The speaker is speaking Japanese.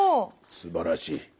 すばらしい。